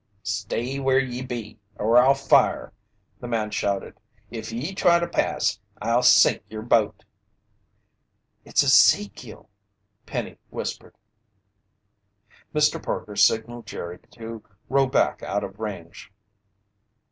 "Stay where ye be, or I'll fire!" the man shouted. "If ye try to pass, I'll sink ye'r boat!" "It's Ezekiel!" Penny whispered. Mr. Parker signaled Jerry to row back out of range.